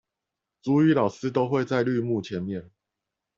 族語老師都會在綠幕前面